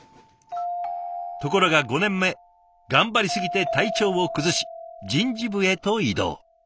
ところが５年目頑張りすぎて体調を崩し人事部へと異動。